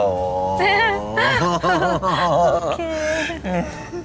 โอเค